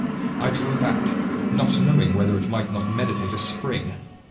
"I drew back, not knowing whether it might not meditate a spring.